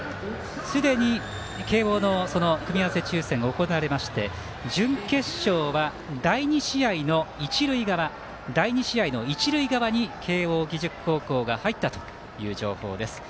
すでに慶応の組み合わせ抽選行われまして準決勝は第２試合の一塁側に慶応義塾高校が入ったという情報です。